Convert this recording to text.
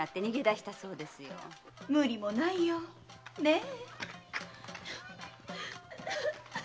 無理もないよねえ。